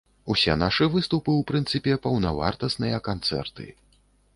Усе нашы выступы, у прынцыпе, паўнавартасныя канцэрты.